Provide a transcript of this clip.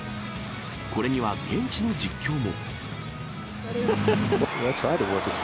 これには現地の実況も。